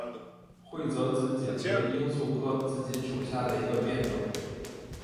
会泽紫堇为罂粟科紫堇属下的一个变种。